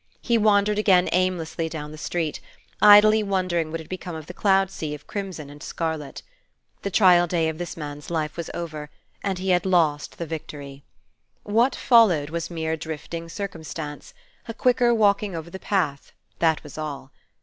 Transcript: He wandered again aimlessly down the street, idly wondering what had become of the cloud sea of crimson and scarlet. The trial day of this man's life was over, and he had lost the victory. What followed was mere drifting circumstance, a quicker walking over the path, that was all.